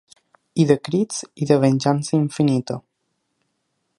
I de crits i de venjança infinita.